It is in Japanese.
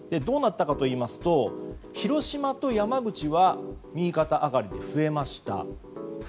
どうなったかといいますと広島と山口は右肩上がりで増えました。